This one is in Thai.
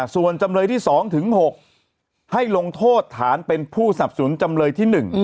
ส่วนจำเลยที่๒๖ให้ลงโทษฐานเป็นผู้สับสนจำเลยที่๑